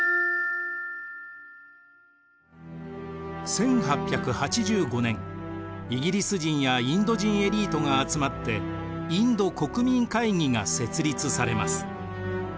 １８８５年イギリス人やインド人エリートが集まってインド国民会議が設立されます。